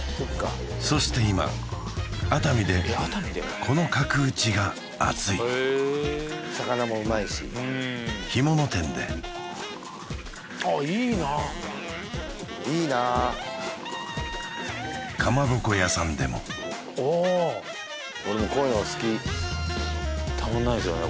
そして今熱海でこの角打ちがアツイへえ魚もうまいし干物店であっいいなあいいなあかまぼこ屋さんでもおお俺もこういうの好きたまんないですよね